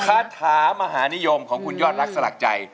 คาถามหานิยมของคุณยอดรักสลักใจ